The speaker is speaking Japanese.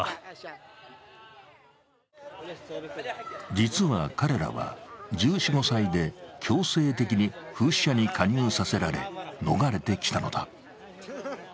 実は彼らは１４１５歳で強制的にフーシ派に加入させられ、逃れてきたのだ。